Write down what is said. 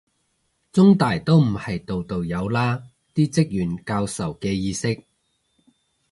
中大都唔係度度有啦，啲職員教授嘅意識